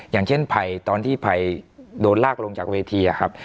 อย่างเช่นไผ่ตอนที่ไผ่โดนลากลงจากเวที